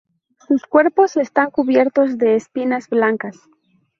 Sus cuerpos están cubiertos de espinas blancas.